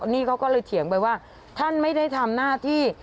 นี่เขาก็เลยเถียงไปว่าท่านไม่ได้ทำหน้าที่